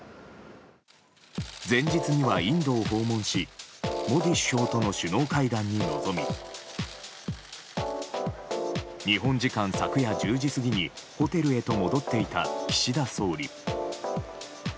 前日にはインドを訪問しモディ首相との首脳会談に臨み日本時間昨夜１０時過ぎにホテルへと戻っていた岸田総理。